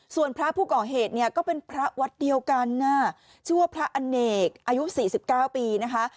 ส่วนพระผู้ก่อเหตุเนี่ยก็เป็นพระวัดเดียวกันชื่อว่าพระอเนกอายุ๔๙ปีนะคะ